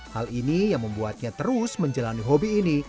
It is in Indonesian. hal ini yang membuatnya terus menjalani hobi ini